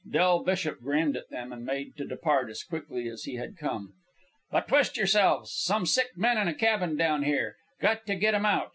Del Bishop grinned at them, and made to depart as quickly as he had come. "But twist yourselves. Some sick men in a cabin down here. Got to get 'em out.